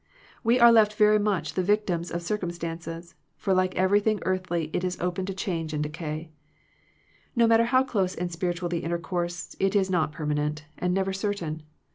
We are left very much the victims of circumstances ; for like everything earthly it is open to change and decay. No maU ter how close and spiritual the inter course, it is not permanent, and never certain.